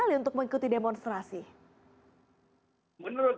bagaimana untuk mengikuti demonstrasi